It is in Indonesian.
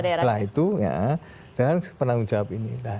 setelah itu ya dengan penanggung jawab ini